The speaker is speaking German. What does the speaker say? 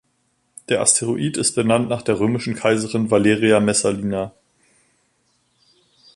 Der Asteroid ist benannt nach der römischen Kaiserin Valeria Messalina.